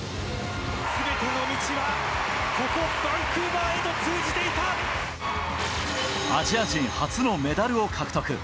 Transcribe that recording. すべての道はここ、バンクーアジア人初のメダルを獲得。